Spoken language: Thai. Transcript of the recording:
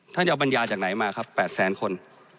ท่านจะเอาบรรยาจากไหนมาครับ๘แสนคน